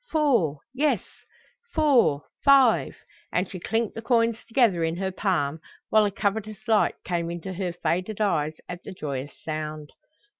"Four, yes, four, five;" and she clinked the coins together in her palm, while a covetous light came into her faded eyes at the joyous sound.